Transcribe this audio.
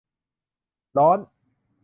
ร้อน